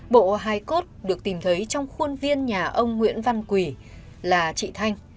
bộ hải cốt được tìm thấy trong khuôn viên nhà ông nguyễn văn quỳ là chị thanh